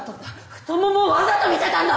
太ももをわざと見せたんだ！